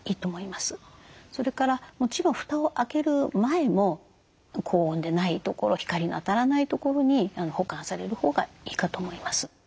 それからもちろんふたを開ける前も高温でない所光の当たらない所に保管されるほうがいいかと思います。